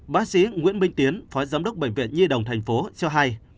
bác sĩ nguyễn minh tiến phó giám đốc bệnh viện nhi đồng thành phố cho hay